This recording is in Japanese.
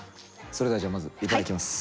それではまず頂きます。